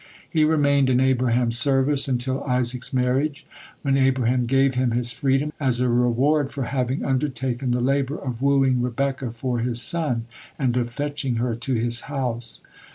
He remained in Abraham's service until Isaac's marriage, when Abraham gave him his freedom as a reward for having undertaken the labor of wooing Rebekah for his son, and of fetching her to his house.